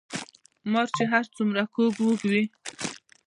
ـ مار چې هر څومره کوږ وږ وي